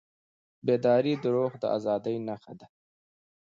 بیداري د روح د ازادۍ نښه ده.